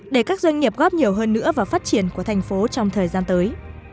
để các doanh nghiệp góp nhiều hơn nữa vào phát triển của thành phố trong thời gian tới